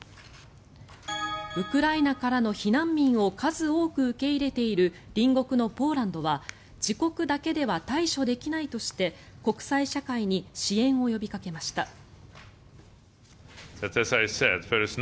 ウクライナからの避難民を数多く受け入れている隣国のポーランドは自国だけでは対処できないとして国際社会に支援を呼びかけました。